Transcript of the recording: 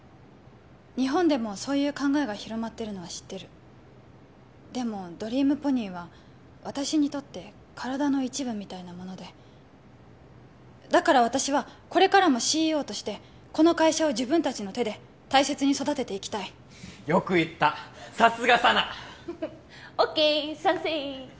日本でもそういう考えが広まってるのは知ってるでもドリームポニーは私にとって体の一部みたいなものでだから私はこれからもＣＥＯとしてこの会社を自分達の手で大切に育てていきたいよく言ったさすが佐奈！ＯＫ賛成